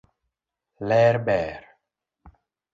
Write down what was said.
Ler ber.